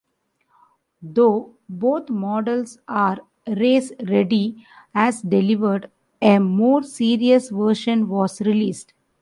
Though both models are race-ready as delivered, a more serious version was released.